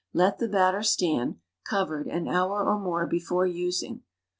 Let the batter stand, covered, an hour or more be fore using.